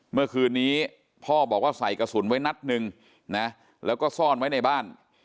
เมื่อคืนนี้พ่อบอกว่าใส่กระสุนไว้นัดหนึ่งนะแล้วก็ซ่อนไว้ในบ้าน